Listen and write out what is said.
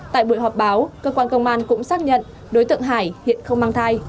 tại buổi họp báo cơ quan công an cũng xác nhận đối tượng hải hiện không mang thai